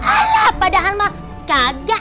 alah padahal mah kagak